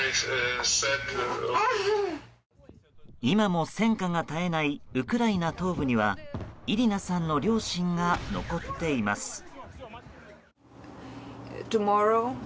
今も戦火が絶えないウクライナ東部にはイリナさんの両親が残っています。